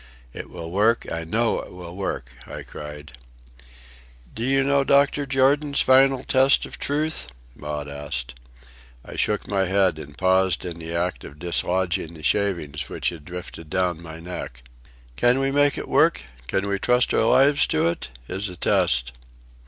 "It will work, I know it will work," I cried. "Do you know Dr. Jordan's final test of truth?" Maud asked. I shook my head and paused in the act of dislodging the shavings which had drifted down my neck. "Can we make it work? Can we trust our lives to it? is the test."